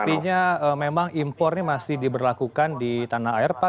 artinya memang impor ini masih diberlakukan di tanah air pak